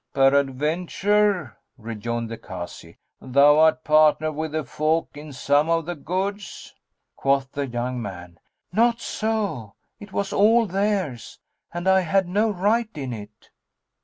"Peradventure," rejoined the Kazi "thou art partner with the folk in some of the goods?" Quoth the young man; "Not so: it was all theirs, and I had no right in it."